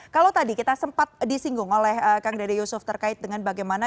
kalau tadi kita sempat disinggung oleh kang dede yusuf terkait dengan bagaimana